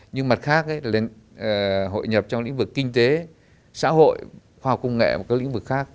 nhưng mặt khác là hội nhập trong lĩnh vực kinh tế xã hội khoa học công nghệ và các lĩnh vực khác